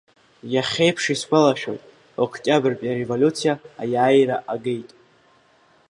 Иахьеиԥш исгәалашәоит, Октиабртәи ареволиуциа аиааира агеит.